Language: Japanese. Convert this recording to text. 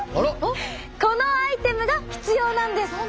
このアイテムが必要なんです！